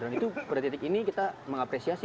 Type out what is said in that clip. dan itu pada titik ini kita mengapresiasi